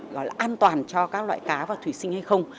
gọi là an toàn cho các loại cá và thủy sinh hay không